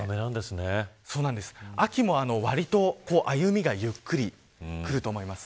秋もわりと歩みがゆっくりくると思います。